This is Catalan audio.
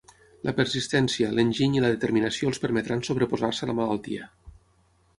La persistència, l’enginy i la determinació els permetran sobreposar-se a la malaltia.